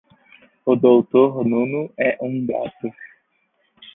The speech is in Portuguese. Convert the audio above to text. O Doutor Nuno é um gato